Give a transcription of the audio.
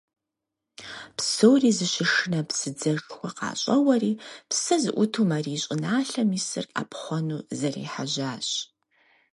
Псори зыщышынэ псыдзэшхуэр къащӀэуэри псэ зыӀуту Марий щӀыналъэм исыр Ӏэпхъуэну зэрехьэжьащ.